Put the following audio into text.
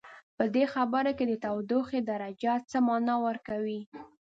په دې خبر کې د تودوخې درجه څه معنا ورکوي؟